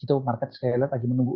itu market saya lihat lagi menunggu